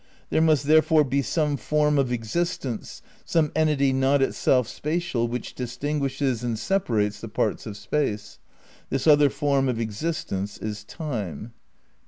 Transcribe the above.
... There must therefore be some form of existence, some entity not itself spatial, which distinguishes and separates the parts of Space. This other form of existence is Time."